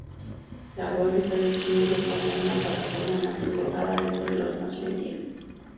La Web está disponible como una plataforma más englobada dentro de los mass media.